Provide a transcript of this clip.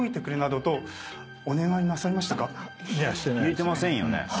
入れてませんよね。